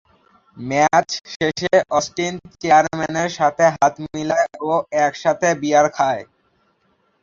Match শেষে Austin চেয়ারম্যানের সাথে হাত মিলায় ও একসাথে বিয়ার খায়।